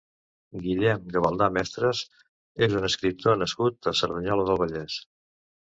Guillem Gavaldà Mestres és un escriptor nascut a Cerdanyola del Vallès.